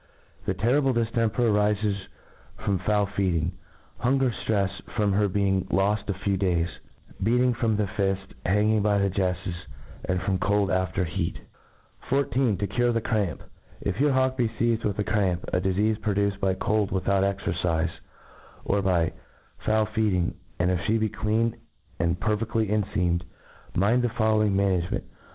This terrible diftemper arifes firom foul feedr ing^ hunger ftrefs from her being loft a few days, beating from the fift, hanging by the jefTes, and from cold after heat. ij{. To cure the Cramf. If your hawk be feized with the cramp, a difeafe produced by cold without exercife, or by foul feeding, and if flie be clean and perfcd*. lyenfeamed, mind the following management.